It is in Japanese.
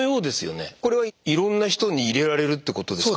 これはいろんな人に入れられるってことですか？